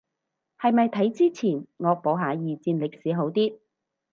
係咪睇之前惡補下二戰歷史好啲